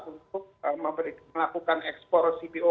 untuk melakukan ekspor cpo